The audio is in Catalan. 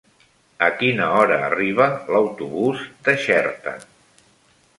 A quina hora arriba l'autobús de Xerta?